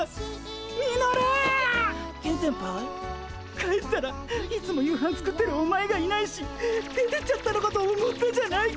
帰ったらいつも夕飯作ってるお前がいないし出てっちゃったのかと思ったじゃないか！